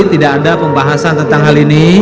tidak ada pembahasan tentang hal ini